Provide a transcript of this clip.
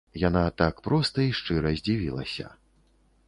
Яна так проста і шчыра здзівілася.